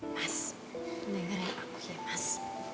mas dengerin aku ya mas